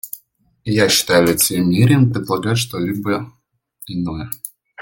И я считаю лицемерием предлагать что-либо иное.